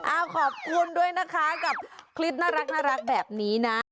ขอบคุณด้วยนะคะกับคลิปน่ารักแบบนี้นะ